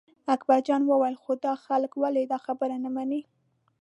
اکبرجان وویل خو دا خلک ولې دا خبره نه مني.